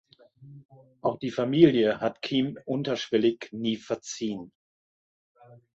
Auch die Familie hat Kym unterschwellig nie verziehen.